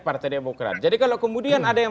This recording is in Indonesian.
partai demokrat jadi kalau kemudian ada yang